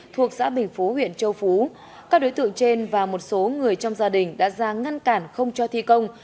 thuộc xã bình phú huyện châu phú các đối tượng trên và một số người trong gia đình đã ra ngăn cản không cho thi công